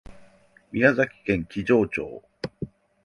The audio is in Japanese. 宮崎県木城町